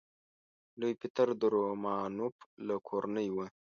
لوی پطر د رومانوف له کورنۍ و.